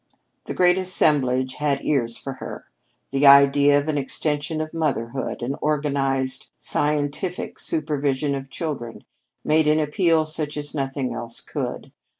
The great assemblage had ears for her. The idea of an extension of motherhood, an organized, scientific supervision of children, made an appeal such as nothing else could.